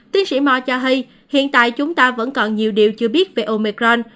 tiến sĩ moore cho hay hiện tại chúng ta vẫn còn nhiều điều chưa biết về omicron